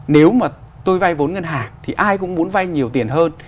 nếu mà tôi vay vốn ngân hàng thì ai cũng muốn vay nhiều tiền hơn